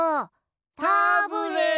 タブレットン！